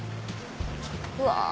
うわ！